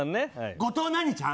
後藤何ちゃん？